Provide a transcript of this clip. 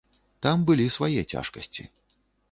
Там былі свае цяжкасці.